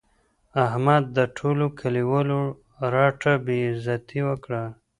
احمد د ټولو کلیوالو رټه بې عزتي وکړه.